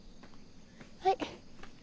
はい。